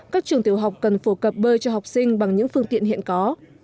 các trường tiểu học cần phổ cập bơi cho học sinh bằng những phương tiện hiện có